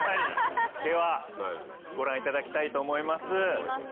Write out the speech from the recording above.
ではご覧いただきたいと思います。